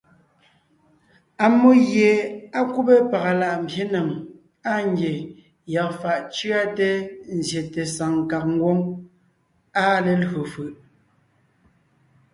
Ammó gie á kúbe pàga láʼ mbyěnèm, áa ngie yɔɔn fàʼ cʉate nzyete saŋ kàg ngwóŋ, áa lelÿò fʉ̀ʼ.